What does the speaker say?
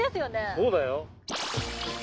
そうだよ？